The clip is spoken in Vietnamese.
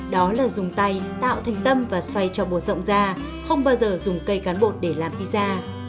đó là dùng tay tạo thành tâm và xoay cho bột rộng ra không bao giờ dùng cây cắn bột để làm pizza